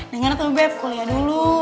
dengar dong beb kuliah dulu